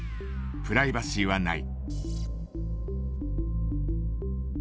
プライバシーはない。